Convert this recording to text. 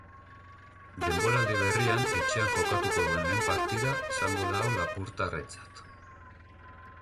Denboraldi berrian etxean jokatuko duen lehen partida izango da hau lapurtarrentzat.